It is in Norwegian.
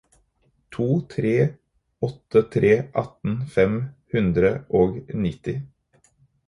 to tre åtte tre atten fem hundre og nitti